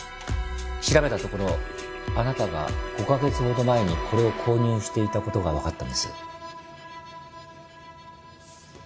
調べたところあなたが５カ月ほど前にこれを購入していた事がわかったんです。